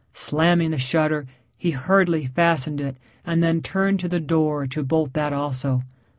Slamming the shutter he hurriedly fastened it and then turned to the door to bolt that also.